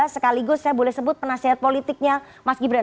sekaligus saya boleh sebut penasehat politiknya mas gibran